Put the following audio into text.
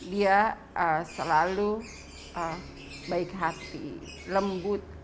dia selalu baik hati lembut